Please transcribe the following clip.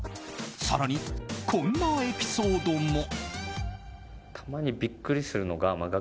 更に、こんなエピソードも。